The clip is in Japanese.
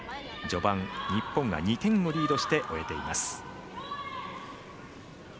序盤、日本が２点をリードして終えています。